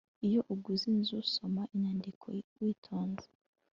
iyo uguze inzu, soma inyandiko witonze